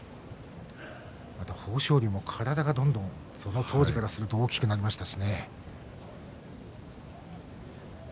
豊昇龍も、どんどんその当時からすると大きくなりました。